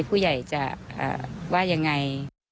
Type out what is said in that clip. ผู้ใหญ่จะว่ายังไง